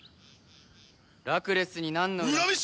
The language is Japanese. ラクレスになんの恨み。